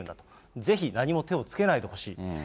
ぜひ、何も手をつけないでほしい。